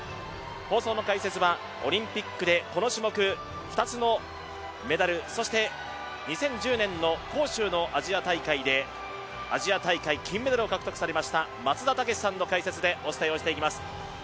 放送の解説はオリンピックでこの種目２つのメダル、そして２０１０年の杭州のアジア大会で金メダルを獲得されました松田丈志さんの解説でお伝えをしていきます。